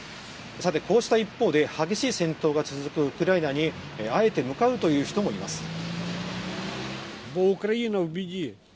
さて、こうした一方で激しい戦闘が続くウクライナに、あえて向かうという人もいます。